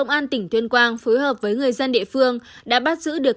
công an tỉnh tuyên quang phối hợp với người dân địa phương đã bắt giữ được